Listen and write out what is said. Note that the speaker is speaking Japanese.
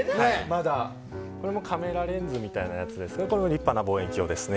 カメラレンズみたいですがこれも立派な望遠鏡ですね。